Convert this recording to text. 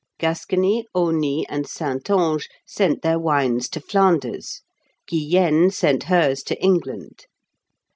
Gascony, Aunis, and Saintonge sent their wines to Flanders; Guyenne sent hers to England.